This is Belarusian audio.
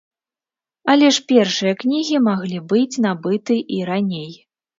Але ж першыя кнігі маглі быць набыты і раней.